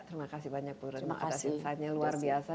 terima kasih banyak bu raditya atas insight nya luar biasa